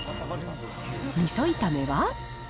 みそ炒めは。